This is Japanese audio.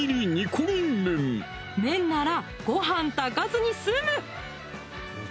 麺ならごはん炊かずに済む！